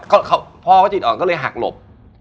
พ่อเขาจิตอ่อนก็เลยหักหลบ